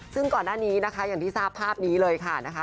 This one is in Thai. ซึ่งก่อนหน้านี้นะคะอย่างที่ทราบภาพนี้เลยค่ะนะคะ